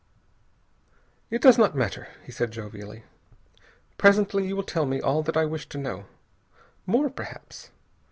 "It does not matter," he said jovially. "Presently you will tell me all that I wish to know. More, perhaps.